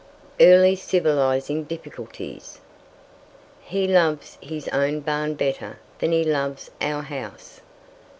EARLY CIVILIZING DIFFICULTIES. "He loves his own barn better Than he loves our house."